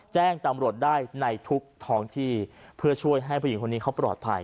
แจ้งตำรวจได้ในทุกท้องที่เพื่อช่วยให้ผู้หญิงคนนี้เขาปลอดภัย